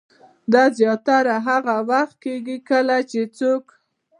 دا زياتره هاغه وخت کيږي کله چې څوک